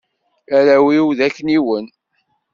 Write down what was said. Arraw-iw d akniwen.